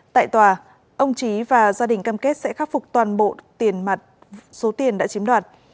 tại tòa ông trí và gia đình cam kết sẽ khắc phục toàn bộ tiền mặt số tiền đã chiếm đoạt